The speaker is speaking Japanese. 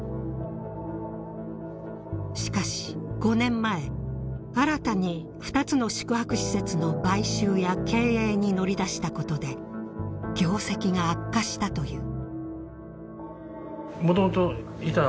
しかし５年前新たに２つの宿泊施設の買収や経営に乗り出したことで業績が悪化したという。